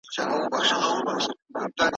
تر راتلونکي کال پورې به دا پارک جوړ شوی وي.